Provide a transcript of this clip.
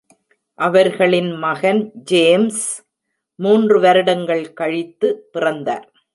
அவர்களின் மகன் ஜேம்ஸ் மூன்று வருடங்கள் கழித்து பிறந்தார்.